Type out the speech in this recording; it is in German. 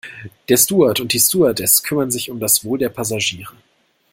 Der Steward und die Stewardess kümmern sich um das Wohl der Passagiere.